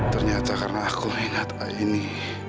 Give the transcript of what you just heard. ternyata karena aku ingat aini